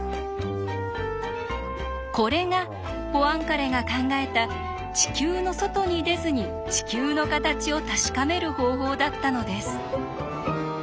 これがポアンカレが考えた地球の外に出ずに地球の形を確かめる方法だったのです。